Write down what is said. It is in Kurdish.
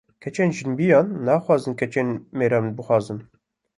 Keçên jinbiyan nexwazin keçên mêran bixwazin